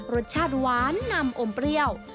รสชาติหวานนำอมเปรี้ยว